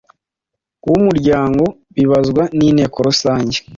w Umuryango Ibibazwa n Inteko Rusange